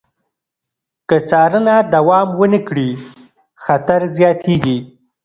که څارنه دوام ونه کړي، خطر زیاتېږي.